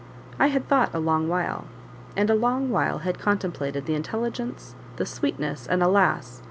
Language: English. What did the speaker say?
I had thought a long while, and a long while had contemplated the intelligence, the sweetness, and alas!